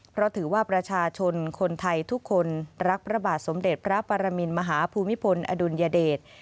เพราะถือว่าประชาชนคนไทยทุกคนรักพระบาทสมเด็จพระปรมินมหาภูมิพลอดุลยเดช